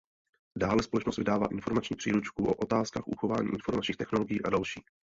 Dále společnost vydává informační příručky o otázkách uchování informačních technologií a další.